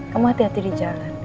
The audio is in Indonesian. kamu hati hati di jalan